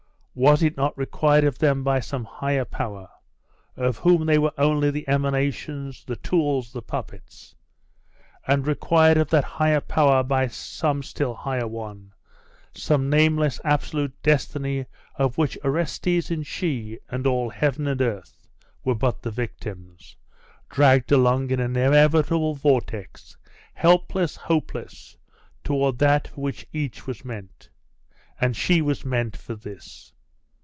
Was it not required of them by some higher power, of whom they were only the emanations, the tools, the puppets? and required of that higher power by some still higher one some nameless, absolute destiny of which Orestes and she, and all heaven and earth, were but the victims, dragged along in an inevitable vortex, helpless, hopeless, toward that for which each was meant? And she was meant for this!